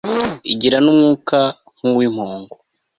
Igira numwuka nkuwimpongo